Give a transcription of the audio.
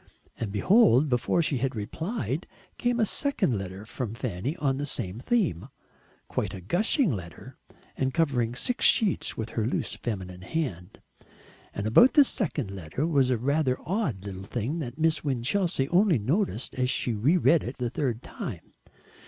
And behold! before she had replied, came a second letter from Fanny on the same theme, quite a gushing letter, and covering six sheets with her loose feminine hand. And about this second letter was a rather odd little thing that Miss Winchelsea only noticed as she re read it the third time.